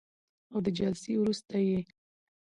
او د جلسې وروسته یې